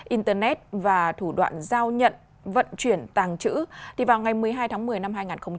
internet và thủ đoạn giao nhận vận chuyển tàng trữ vào ngày một mươi hai tháng một mươi năm hai nghìn hai mươi ba